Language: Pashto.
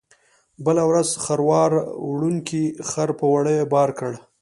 بله ورځ خروار وړونکي خر په وړیو بار کړ.